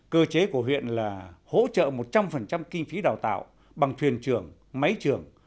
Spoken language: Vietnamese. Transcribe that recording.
cơ chế của huyện là hỗ trợ một trăm linh kinh phí đào tạo bằng thuyền trường máy trường